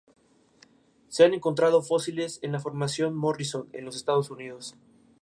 Se han encontrado fósiles en la Formación Morrison en los Estados Unidos.